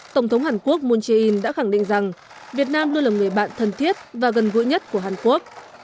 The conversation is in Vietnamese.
tổng thống hàn quốc moon jae in đã khẳng định rằng việt nam luôn là người bạn thân thiết và gần gũi nhất của hàn quốc